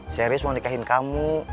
serius mau nikahin kamu